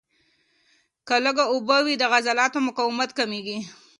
که لږ اوبه وي، د عضلاتو مقاومت کمېږي.